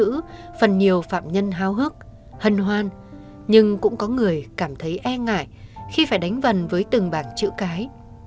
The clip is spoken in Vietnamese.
trong khi nhận nhiệm vụ phần nhiều phạm nhân hao hức hần hoan nhưng cũng có người cảm thấy e ngại khi phải đánh vần với từng bảng chữ cái